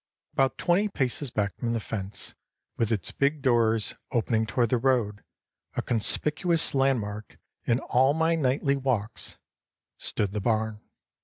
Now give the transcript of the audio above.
About twenty paces back from the fence, with its big doors opening toward the road, a conspicuous landmark in all my nightly walks, stood the barn.